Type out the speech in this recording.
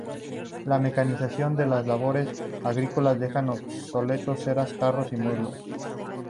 La mecanización de las labores agrícolas dejan obsoletos eras, carros y mulos.